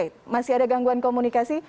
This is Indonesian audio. oke masih ada gangguan komunikasi